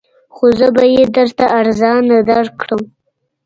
خو زه به یې درته ارزانه درکړم